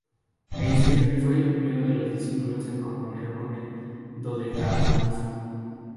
Eisler fue el primero de los discípulos en componer con el dodecafonismo.